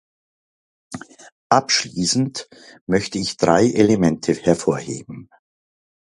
Abschließend möchte ich drei Elemente hervorheben.